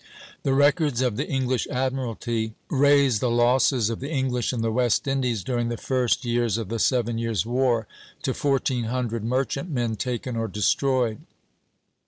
"The records of the English admiralty raise the losses of the English in the West Indies during the first years of the Seven Years' War to fourteen hundred merchantmen taken or destroyed."